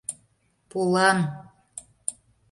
ПОЛАН